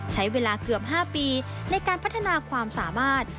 ใช้เวลาเกือบ๕ปีในการพัฒนาความสามารถ